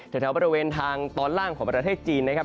แถวบริเวณทางตอนล่างของประเทศจีนนะครับ